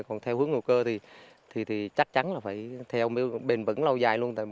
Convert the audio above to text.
còn theo hướng ngầu cơ thì chắc chắn là phải theo bền vững lâu dài luôn